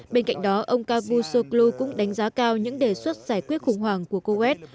bên cạnh đó ông cavusoglu cũng đánh giá cao những đề xuất giải quyết khủng hoảng của coes